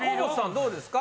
どうですか？